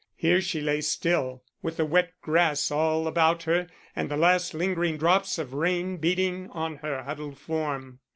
Here she lay still, with the wet grass all about her and the last lingering drops of rain beating on her huddled form.